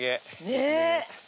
ねえ。